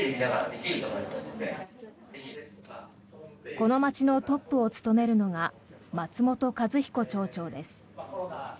この町のトップを務めるのが松本一彦町長です。